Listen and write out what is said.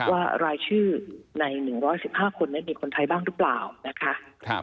ว่ารายชื่อใน๑๑๕คนนั้นมีคนไทยบ้างหรือเปล่านะคะ